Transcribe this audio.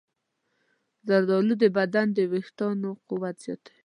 زردالو د بدن د ویښتانو قوت زیاتوي.